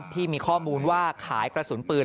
ที่มีข้อมูลว่าขายกระสุนปืน